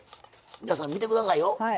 皆さん見てくださいよ。